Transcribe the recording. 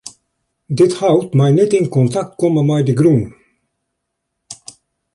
Dit hout mei net yn kontakt komme mei de grûn.